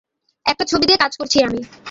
একটা ছবি নিয়ে কাজ করছি আমি।